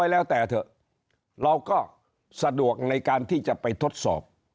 แล้วแต่เถอะเราก็สะดวกในการที่จะไปทดสอบ